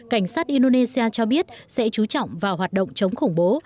cảnh sát indonesia cho biết sẽ chú trọng vào hoạt động chống khủng bố